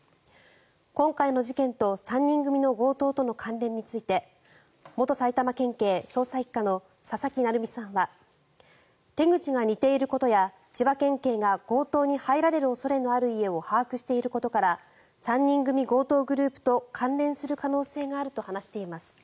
今回の事件と３人組の強盗との関連について元埼玉県警捜査１課の佐々木成三さんは手口が似ていることや千葉県警が強盗に入られる恐れのある家を把握していることから３人組強盗グループと関連する可能性があると話しています。